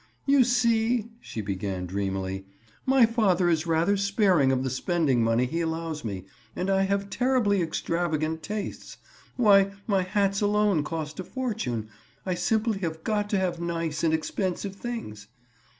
"You see," she began dreamily, "my father is rather sparing of the spending money he allows me, and I have terribly extravagant tastes. Why, my hats alone cost a fortune. I simply have got to have nice and expensive things."